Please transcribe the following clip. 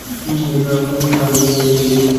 হাবীল একটি মোটা-তাজা বকরী কুরবানী করেন।